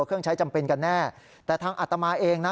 เครื่องใช้จำเป็นกันแน่แต่ทางอัตมาเองนะ